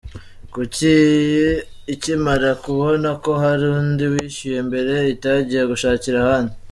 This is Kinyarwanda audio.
Kuki ikimara kubona ko hari undi wishyuye mbere itagiye gushakira ahandi.